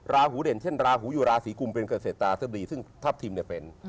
ราหูเด่นเช่นราหูอยู่ราศีกุมเป็นเกษตราทดีซึ่งทัพทิมเนี่ยเป็น